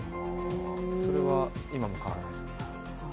それは今も変わらないですね。